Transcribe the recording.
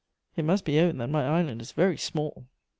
It must be owned that my island is very small!"